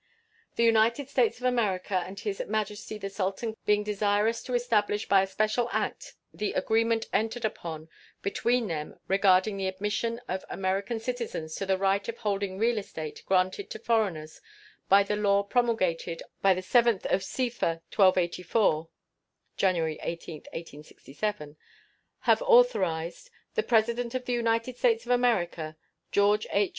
] The United States of America and His Majesty the Sultan being desirous to establish by a special act the agreement entered upon between them regarding the admission of American citizens to the right of holding real estate granted to foreigners by the law promulgated on the 7th of Sepher, 1284 (January 18, 1867), have authorized: The President of the United States of America, George H.